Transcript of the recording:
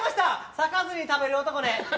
裂かずに食べる男です。